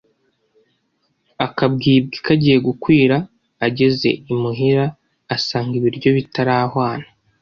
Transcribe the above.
akabwibwi kagiye gukwira ageze imuhira, asanga ibiryo bitarahwana,